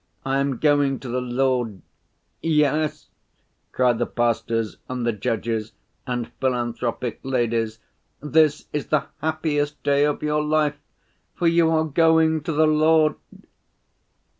I am going to the Lord.' 'Yes,' cry the pastors and the judges and philanthropic ladies. 'This is the happiest day of your life, for you are going to the Lord!